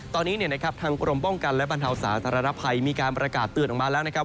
ตอนนี้นะครับทางกรมป้องกันและบรรเทาสาธารณภัยมีการประกาศเตือนออกมาแล้วนะครับ